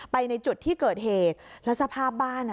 ในจุดที่เกิดเหตุแล้วสภาพบ้านอ่ะ